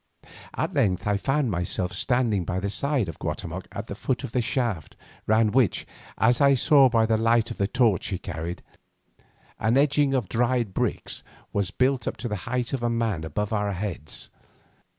At length I found myself standing by the side of Guatemoc at the foot of the shaft, round which, as I saw by the light of the torch he carried, an edging of dried bricks was built up to the height of a man above our heads.